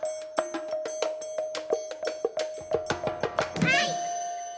はい！